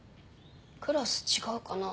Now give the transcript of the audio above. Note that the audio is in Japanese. クラス違うかな。